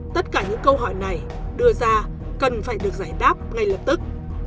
tất cả những câu hỏi này đưa ra cần phải được giải đáp ngay lập tức